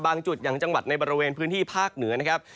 จุดอย่างจังหวัดในบริเวณพื้นที่ภาคเหนือนะครับ